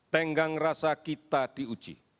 tenggang rasa kita diuji